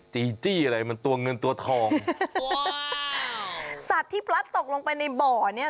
จีจี้อะไรมันตัวเงินตัวทองสัตว์ที่พลัดตกลงไปในบ่อเนี้ย